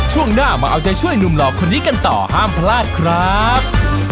ช่วงหน้ามาเอาใจช่วยหนุ่มหลอกคนนี้กันต่อห้ามพลาดครับ